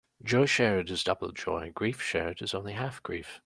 Joy shared is double joy; grief shared is only half grief.